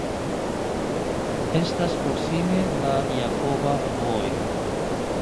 Estas proksime la Jakoba Vojo.